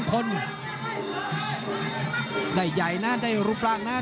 เขาได้ใหญ่นะรสล้างแดน